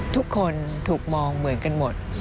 ทุกคนถูกมองเหมือนกันหมด